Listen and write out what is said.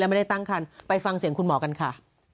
ไม่ได้ตั้งคันไปฟังเสียงคุณหมอกันค่ะ